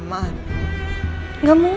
makanya dia nelfon aku